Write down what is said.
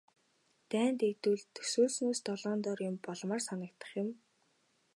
Дайн дэгдвэл төсөөлснөөс долоон доор юм болмоор санагдах юм.